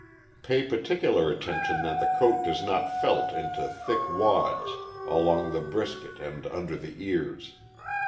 Pay particular attention that the coat does not felt into thick wads along the brisket and under the ears.